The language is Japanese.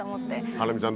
ハラミちゃん